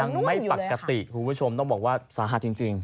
ยังไม่ปกติคุณผู้ชมต้องบอกว่าสาหัสจริง